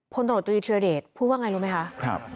พลตรวจตรีธิรเดชพูดว่าไงรู้ไหมคะ